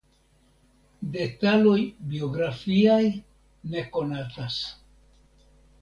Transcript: Detaloj biografiaj ne konatas.